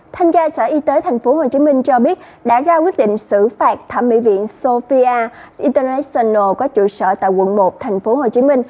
thanh gia sở y tế tp hcm cho biết đã ra quyết định xử phạt thảm mỹ viện sophia international có chủ sở tại quận một tp hcm